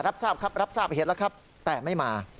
รับทราบครับรับทราบเหตุแล้วครับแต่ไม่มา